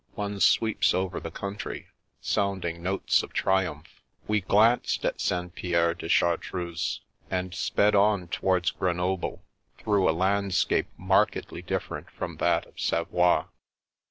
One sweeps over the country, sounding notes of triumph. We glanced at St. Pierre de Chartreuse and sped on towards Grenoble, through a landscape markedly different from that of Savoie.